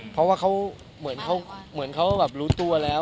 เพราะว่าเขาเหมือนเขารู้ตัวแล้ว